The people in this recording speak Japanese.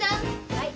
はい。